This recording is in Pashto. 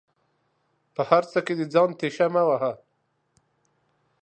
په هر څه کې د ځان تيشه مه وهه